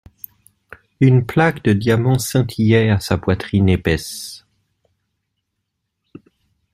Une plaque de diamants scintillait à sa poitrine épaisse.